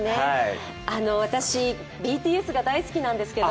私、ＢＴＳが大好きなんですけど。